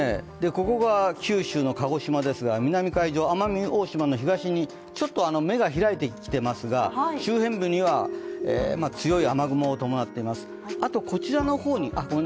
ここが九州の鹿児島ですが南海上、奄美大島の東にちょっと目がひらいてきてますが周辺部には、強い雨雲を伴っています。